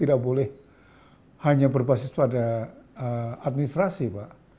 tidak boleh hanya berbasis pada administrasi pak